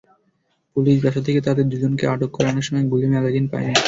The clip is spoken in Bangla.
পুলিশ বাসা থেকে তাঁদের দুজনকে আটক করে আনার সময় গুলি-ম্যাগাজিন পায়নি।